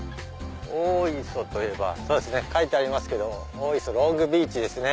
大磯といえばそうですね書いてありますけど大磯ロングビーチですね。